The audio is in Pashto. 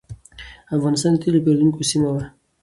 افغانستان د تېلو پېرودونکو سیمه وه.